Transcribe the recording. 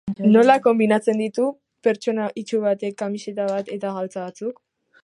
Nola konbinatzen ditu pertsona itsu batek kamiseta bat eta galtza batzuk?